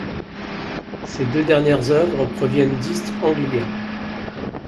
Ces deux dernières œuvres proviennent d'East Anglia.